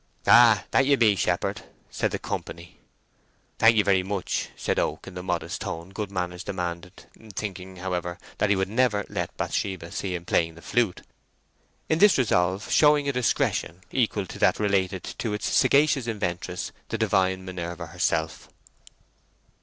"Ay, that ye be, shepard," said the company. "Thank you very much," said Oak, in the modest tone good manners demanded, thinking, however, that he would never let Bathsheba see him playing the flute; in this resolve showing a discretion equal to that related to its sagacious inventress, the divine Minerva herself.